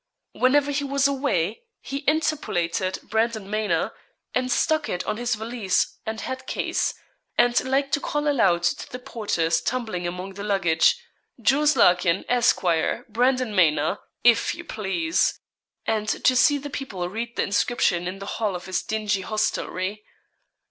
Whenever he was away he interpolated 'Brandon Manor,' and stuck it on his valise and hat case; and liked to call aloud to the porters tumbling among the luggage 'Jos. Larkin, Esquire, Brandon Manor, if you please;' and to see the people read the inscription in the hall of his dingy hostelry.